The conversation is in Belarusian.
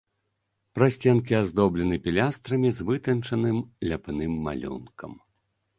Прасценкі аздоблены пілястрамі з вытанчаным ляпным малюнкам.